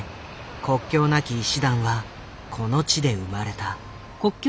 国境なき医師団はこの地で生まれた。